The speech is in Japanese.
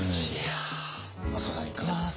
益子さんいかがですか？